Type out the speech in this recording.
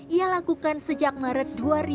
ia lakukan sejak maret dua ribu dua